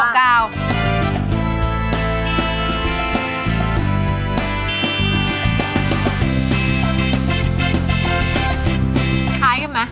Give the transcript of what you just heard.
มันคล้ายกันไหม